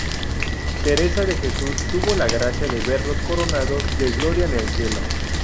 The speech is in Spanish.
Teresa de Jesús tuvo la gracia de verlos coronados de Gloria en el cielo.